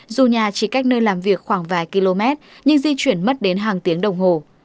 dù nhà chỉ cách nơi làm việc khoảng vài km nhưng di chuyển mất đến hàng tiếng đồng hồ